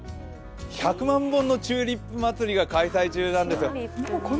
１００万本のチューリップ祭が開催中なんですよ。